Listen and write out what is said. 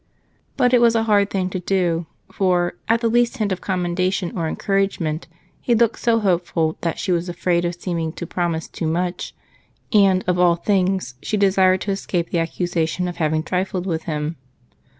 But it was a hard thing to do, for at the least hint of commendation or encouragement, he looked so hopeful that she was afraid of seeming to promise too much, and, of all things, she desired to escape the accusation of having trifled with him.